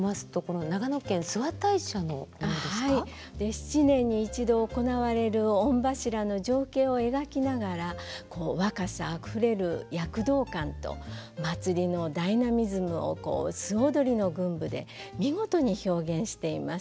７年に１度行われる御柱の情景を描きながらこう若さあふれる躍動感と祭りのダイナミズムをこう素踊りの群舞で見事に表現しています。